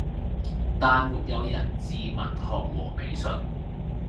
，但沒有人治文學和美術；